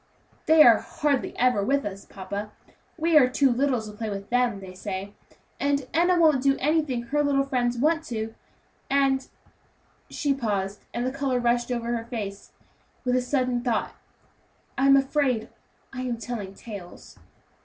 "They are hardly ever with us, papa; we are too little to play with them, they say, and Enna won't do anything her little friends want her to, and" she paused, and the color rushed over her face with the sudden thought "I am afraid I am telling tales."